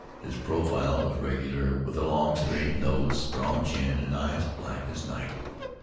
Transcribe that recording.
His profile was regular, with a long, straight nose, strong chin, and eyes black as night.